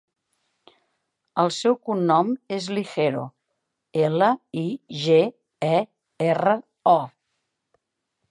El seu cognom és Ligero: ela, i, ge, e, erra, o.